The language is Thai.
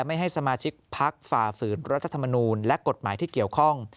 ไม่ให้สมาชิกพักฝ่าฝืนรัฐธรรมนูลและกฎหมายที่เกี่ยวข้อง